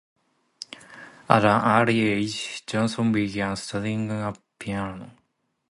At an early age, Jason began studying the piano.